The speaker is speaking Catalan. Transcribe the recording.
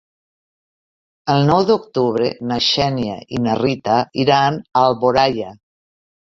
El nou d'octubre na Xènia i na Rita iran a Alboraia.